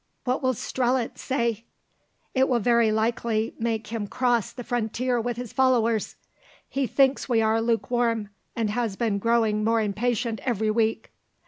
"What will Strelitz say? It will very likely make him cross the frontier with his followers. He thinks we are lukewarm, and has been growing more impatient every week."